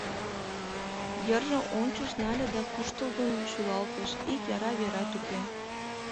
Йырже ончышт нале да куштылгын шӱлалтыш: ик яра верат уке.